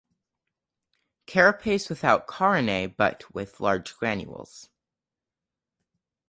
Carapace without carinae but with large granules.